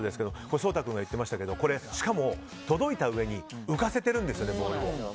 颯太君が言っていましたがしかも、届いたうえに浮かせてるんですよね、ボールを。